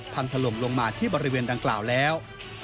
ถล่มลงมาที่บริเวณดังกล่าวแล้ว